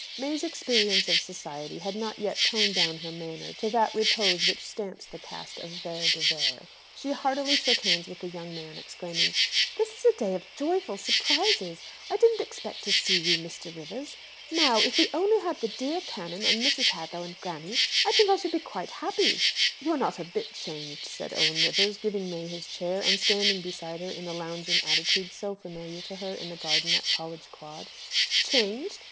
May's experience of society had not yet toned down her manner to "that repose which stamps the caste of Vere de Vere." She heartily shook hands with the young man, exclaiming, "This is a day of joyful surprises. I didn't expect to see you, Mr. Rivers. Now, if we only had the dear canon, and Mrs. Hadlow, and granny, I think I should be quite happy." "You are not a bit changed," said Owen Rivers, giving May his chair, and standing beside her in the lounging attitude so familiar to her in the garden at College Quad. "Changed!